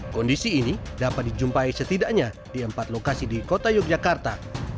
kondisi ini dapat dijumpai setidaknya di empat lokasi di kota yogyakarta